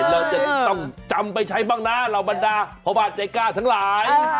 เราจะต้องจำไปใช้บ้างนะเหล่าบรรดาพ่อบ้านใจกล้าทั้งหลาย